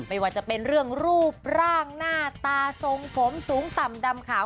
ไม่ว่าจะเป็นเรื่องรูปร่างหน้าตาทรงผมสูงต่ำดำขาว